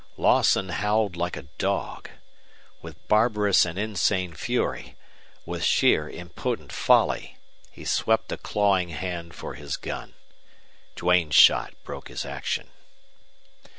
Lawson howled like a dog. With barbarous and insane fury, with sheer impotent folly, he swept a clawing hand for his gun. Duane's shot broke his action.